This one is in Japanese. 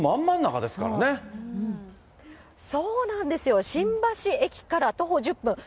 東京の都心そうなんですよ、新橋駅から徒歩１０分。